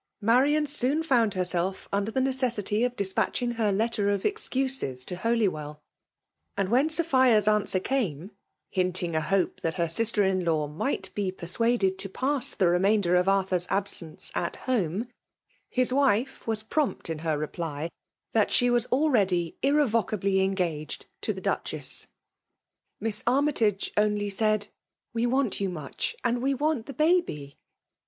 Marian soon found herself under the necessity of dispatching her letter of excuses to Holywell ; and when Sophia's answer came, hinting a hope that her sister in law might be persuaded to pass the remainder of Arthur's absence at home, his wife was prompt in her reply that she was already irrevocably engaged to the Duchess. Miss Armytage only said —" We want you much, and we want the baby."